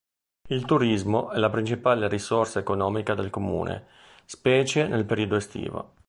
Il turismo è la principale risorsa economica del comune, specie nel periodo estivo.